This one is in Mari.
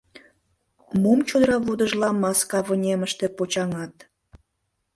Мом чодыра водыжла маска вынемыште почаҥат?